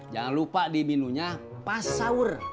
jangan lupa diminunya pasaur